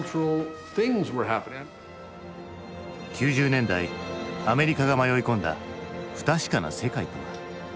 ９０年代アメリカが迷い込んだ不確かな世界とは。